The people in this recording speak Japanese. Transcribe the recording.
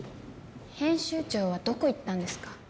編集長はどこ行ったんですか？